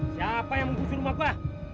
siapa yang menggusur rumah pak